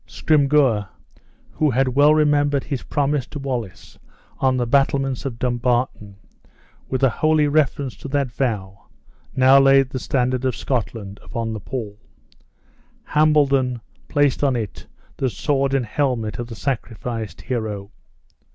Scrymgeour, who had well remembered his promise to Wallace on the battlements of Dumbarton, with a holy reference to that vow now laid the standard of Scotland upon the pall. Hambledon placed on it the sword and helmet of the sacrificed hero.